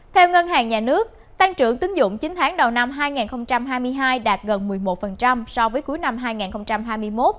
theo ngân hàng nhà nước tăng trưởng tính dụng chín tháng đầu năm hai nghìn hai mươi hai đạt gần một mươi một so với cuối năm hai nghìn hai mươi một